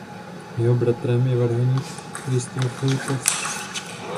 Jeho bratrem je varhaník Krzysztof Lukas.